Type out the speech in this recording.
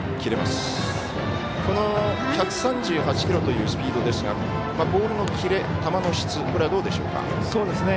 １３８キロというスピードですがボールのキレ、球の質どうでしょうか？